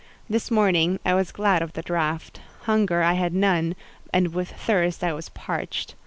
This morning I was glad of the draught; hunger I had none, and with thirst I was parched.